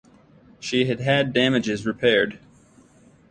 She had had damages repaired.